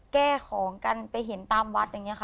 แก้ของกันไปเห็นตามวัด